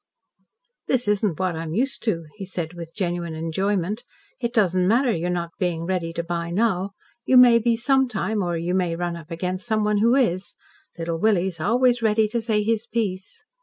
"This isn't what I'm used to," he said with genuine enjoyment. "It doesn't matter, your not being ready to buy now. You may be sometime, or you may run up against someone who is. Little Willie's always ready to say his piece."